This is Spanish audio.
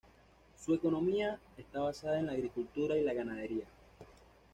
Su economía, está basada en la agricultura y la ganadería.